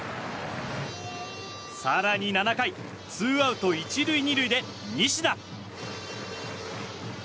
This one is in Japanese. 更に７回ツーアウト１塁２塁で西田。